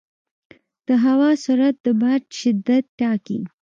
د هوا سرعت د باد شدت ټاکي.